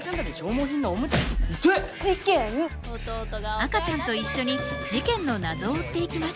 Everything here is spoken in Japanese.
赤ちゃんと一緒に事件の謎を追っていきます。